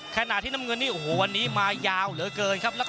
ขณะที่น้ำเงินนี่โอ้โหวันนี้มายาวเหลือเกินครับ